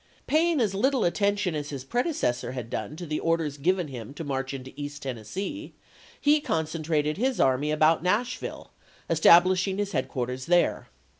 Paying as little attention as his predecessor had done to the orders given him to march into East Tennessee, he concentrated his army about Nashville, establish ing his headquarters there.